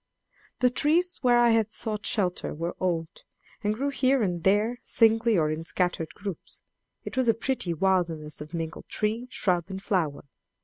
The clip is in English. The trees where I had sought shelter were old, and grew here and there, singly or in scattered groups: it was a pretty wilderness of mingled tree, shrub and flower.